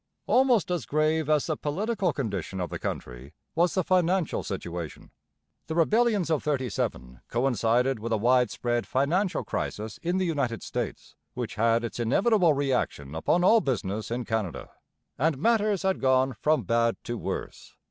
Almost as grave as the political condition of the country was the financial situation. The rebellions of '37 coincided with a wide spread financial crisis in the United States, which had its inevitable reaction upon all business in Canada, and matters had gone from bad to worse.